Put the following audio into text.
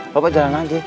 bapak jalan aja